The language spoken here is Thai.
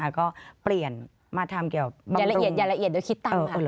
แล้วก็เปลี่ยนมาทำเกี่ยวกับบำรุงยาละเอียดโดยคิดตังค์ค่ะ